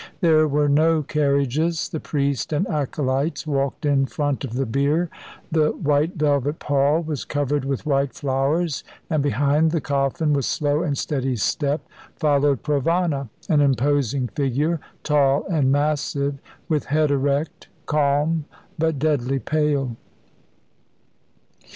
There were no carriages. The priest and acolytes walked in front of the bier. The white velvet pall was covered with white flowers, and behind the coffin, with slow and steady step, followed Provana, an imposing figure, tall and massive, with head erect; calm, but deadly pale.